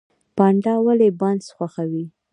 پاندا ولې بانس خوښوي؟